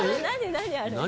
何？あれ」